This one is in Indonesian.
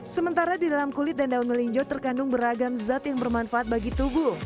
sementara di dalam kulit dan daun melinjo terkandung beragam zat yang bermanfaat bagi tubuh